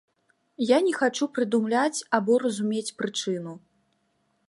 Я не хачу прыдумляць або разумець прычыну.